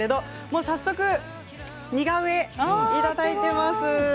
早速、似顔絵いただいております。